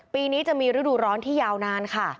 ปีนี้จะมีฤดูร้อนที่ยาวนานค่ะ